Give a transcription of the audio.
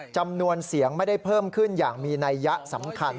จำนวนเสียงไม่ได้เพิ่มขึ้นอย่างมีนัยยะสำคัญ